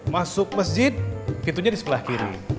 masuk masjid pintunya di sebelah kiri